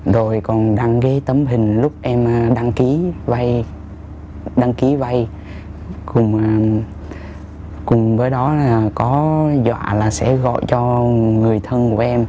rồi còn đăng ký tấm hình lúc em đăng ký vây cùng với đó có dọa là sẽ gọi cho người thân của em